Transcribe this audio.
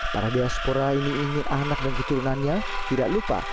para diaspora ini ingin anak dan keturunannya tidak lupa